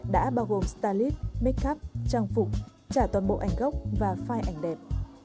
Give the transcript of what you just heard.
đã bao gồm stylist make up trang phục trả toàn bộ ảnh gốc và file ảnh đẹp